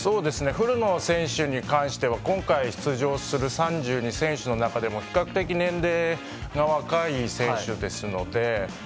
古野選手に関しては今回出場する３２選手の中でも比較的、年齢が若い選手ですので。